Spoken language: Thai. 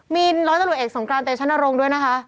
มีร้อนสนุนเอกสงครามเตชนรงค์ด้วยนะคะ